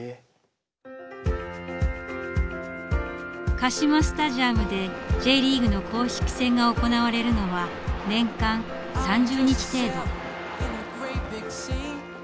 カシマスタジアムでＪリーグの公式戦が行われるのは年間３０日程度。